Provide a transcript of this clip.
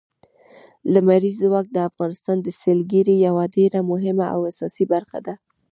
لمریز ځواک د افغانستان د سیلګرۍ یوه ډېره مهمه او اساسي برخه ده.